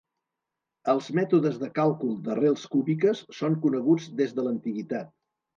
Els mètodes de càlcul d'arrels cúbiques són coneguts des de l'antiguitat.